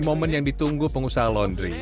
momen yang ditunggu pengusaha laundry